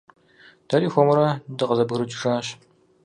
Дэри хуэмурэ дыкъызэбгрыкӀыжащ.